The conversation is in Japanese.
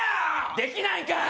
できないんかい！